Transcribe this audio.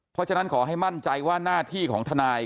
เพราะฉะนั้นขอให้มั่นใจว่าหน้าที่ของทนาย